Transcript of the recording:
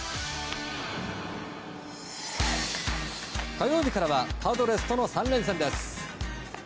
火曜日からはパドレスとの３連戦です。